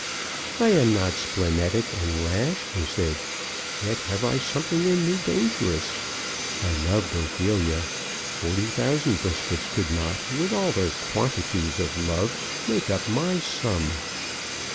"I am not splenetic and rash," he said; "yet have I something in me dangerous. I loved Ophelia. Forty thousand Briskets could not, with all their quantities of love, make up my sum."